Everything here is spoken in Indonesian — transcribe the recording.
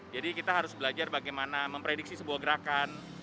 jadi kita harus belajar bagaimana memprediksi sebuah gerakan